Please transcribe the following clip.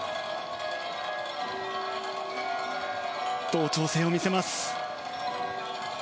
同調性を見せます。